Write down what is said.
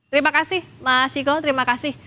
terima kasih mas siko terima kasih